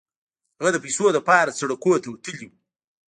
هغه د پيسو لپاره سړکونو ته وتلی و.